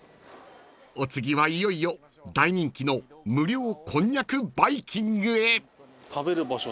［お次はいよいよ大人気の無料こんにゃくバイキングへ］